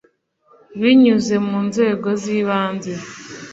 Binyuze mu nzego z ibanze